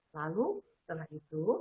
lalu setelah itu